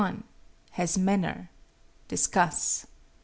Has manner? Discuss.